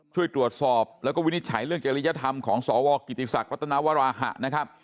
ช่วยตรวจสอบแล้วก็วินิจฉัยเรื่องจริยธรรมของสวกิติศักดิรัตนวราหะนะครับ